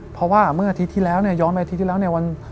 เพราะว่าเมื่ออาทิตย์ที่แล้วเนี่ยย้อนไปอาทิตย์ที่แล้วเนี่ย